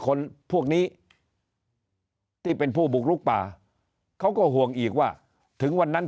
คนพวกนี้ที่เป็นผู้บุกลุกป่าเขาก็ห่วงอีกว่าถึงวันนั้น